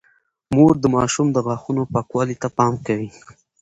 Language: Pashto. مور د ماشوم د غاښونو پاکوالي ته پام کوي۔